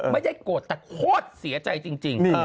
ไม่ได้โกรธแต่โคตรเสียใจจริง